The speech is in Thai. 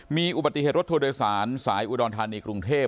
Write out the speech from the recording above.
มีอุบัติเหตุรถโทรโดยศาลสายอุดอลธานีกรุงเทพฯ